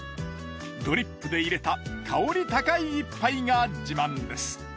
ドリップで入れた香り高い１杯が自慢です。